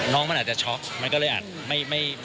น้องมันอาจจะช็อกมันก็เลยอาจไม่